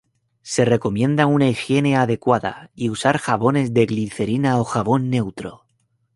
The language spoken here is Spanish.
Se recomienda una higiene adecuada, y usar jabones de glicerina o jabón neutro.